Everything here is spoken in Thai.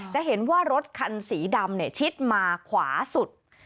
จะเห็นว่ารถคันสีดำชิดมาขวาสุด